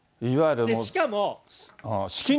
しかも。